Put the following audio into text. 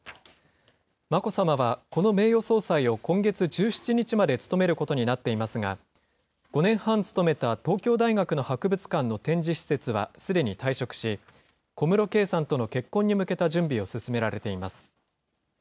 眞子さまはこの名誉総裁を今月１７日まで務めることになっていますが、５年半勤めた東京大学の博物館の展示施設はすでに退職し、小室圭さんとの結婚に向けた準備を進められています。